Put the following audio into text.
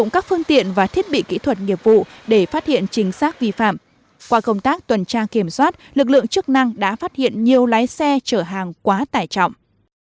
công tác tuần trang kiểm soát lực lượng chức năng đã phát hiện nhiều lái xe chở hàng quá tải trọng